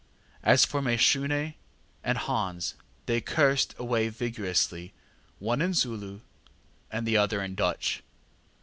As for Mashune and Hans they cursed away vigorously, one in Zulu and the other in Dutch.